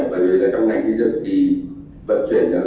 bởi vì trong ngành xây dựng thì vận chuyển